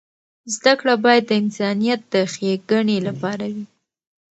زده کړه باید د انسانیت د ښیګڼې لپاره وي.